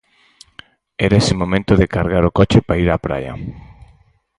Era ese momento de cargar o coche para ir á praia.